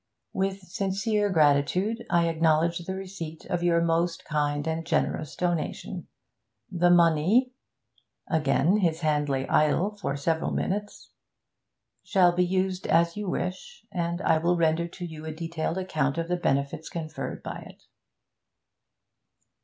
'With sincere gratitude I acknowledge the receipt of your most kind and generous donation. The money...' (Again his hand lay idle for several minutes.) 'shall be used as you wish, and I will render to you a detailed account of the benefits conferred by it.'